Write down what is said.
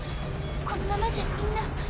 このままじゃみんな。